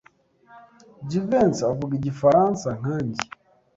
Jivency avuga igifaransa nkanjye.